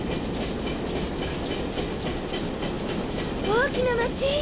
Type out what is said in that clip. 大きな町！